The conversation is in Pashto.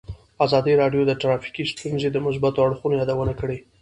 ازادي راډیو د ټرافیکي ستونزې د مثبتو اړخونو یادونه کړې.